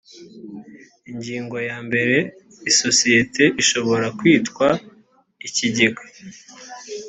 ingingo ya mbere isosiyete ishobora kwitwa ikigega